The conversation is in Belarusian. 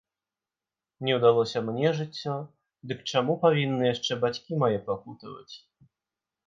Не ўдалося мне жыццё, дык чаму павінны яшчэ бацькі мае пакутаваць?